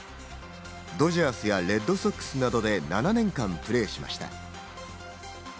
ドジャースやレッドソックスなどで７年間プレーしました。